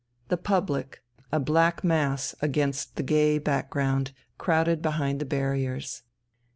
The public, a black mass against the gay background, crowded behind the barriers.